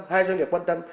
hai doanh nghiệp quan tâm